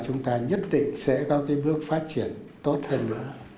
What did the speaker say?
chúng ta nhất định sẽ có cái bước phát triển tốt hơn nữa